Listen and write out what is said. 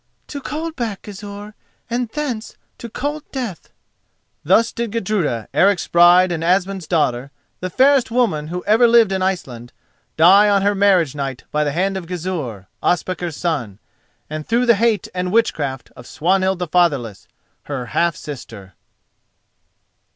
"To Coldback, Gizur, and thence to cold Death." Thus did Gudruda, Eric's bride and Asmund's daughter, the fairest woman who ever lived in Iceland, die on her marriage night by the hand of Gizur, Ospakar's son, and through the hate and witchcraft of Swanhild the Fatherless, her half sister.